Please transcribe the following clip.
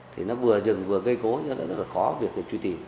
thì nó vừa rừng vừa gây cố nó rất là khó việc truy tìm